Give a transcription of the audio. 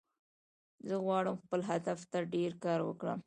زه غواړم خپل هدف ته ډیر کار وکړم